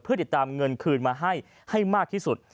เพื่อติดตามเงินคืนมาให้ให้มากที่สุด